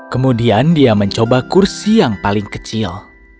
kemudian dia mencoba kursi yang paling kecil